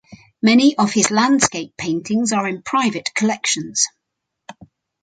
Many of his landscape paintings are in private collections.